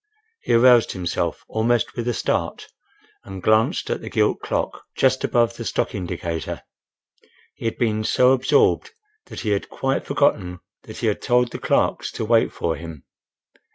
He aroused himself, almost with a start, and glanced at the gilt clock just above the stock indicator. He had been so absorbed that he had quite forgotten that he had told the clerks to wait for him.